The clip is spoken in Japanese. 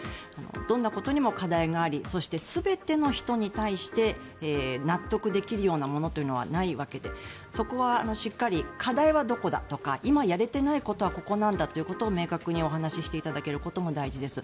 どんなことにも課題がありそして全ての人に対して納得できるようなものというのはないわけでそこはしっかり課題はどこだとか今やれてないことはここなんだということを明確にお話ししていただくことも大事です。